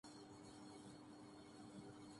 بحران کی طرف کیسے گیا